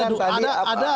ada dua kata penciptanya